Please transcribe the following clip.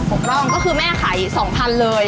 ออกร่องก็คือแม่ขายสองพันเลย